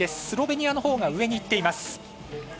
スロベニアのほうが上にいっています。